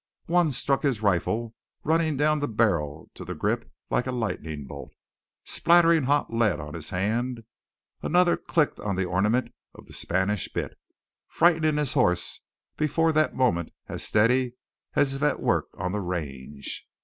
One struck his rifle, running down the barrel to the grip like a lightning bolt, spattering hot lead on his hand; another clicked on the ornament of the Spanish bit, frightening his horse, before that moment as steady as if at work on the range.